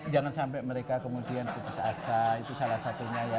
jangan sampai mereka kemudian putus asa itu salah satunya ya